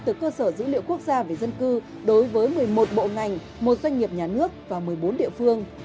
từ cơ sở dữ liệu quốc gia về dân cư đối với một mươi một bộ ngành một doanh nghiệp nhà nước và một mươi bốn địa phương